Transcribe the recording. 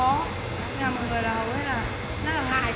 nhưng mà mọi người hầu hết là rất là ngại